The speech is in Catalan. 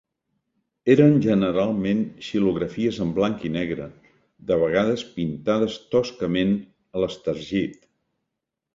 Eren generalment xilografies en blanc i negre, de vegades pintades toscament a l'estergit.